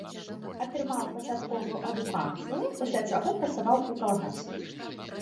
Атрымаў пачатковую адукацыю, пасля чаго працаваў у калгасе.